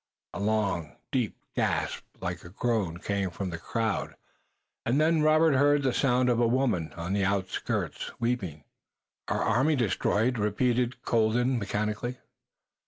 A long, deep gasp, like a groan, came from the crowd, and then Robert heard the sound of a woman on the outskirts weeping. "Our army destroyed!" repeated Colden mechanically.